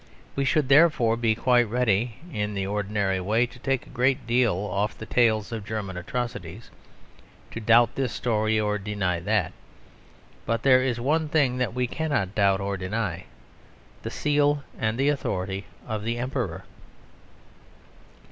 We should, therefore, be quite ready in the ordinary way to take a great deal off the tales of German atrocities; to doubt this story or deny that. But there is one thing that we cannot doubt or deny: the seal and authority of the Emperor.